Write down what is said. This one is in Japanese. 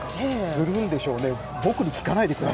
するんでしょう。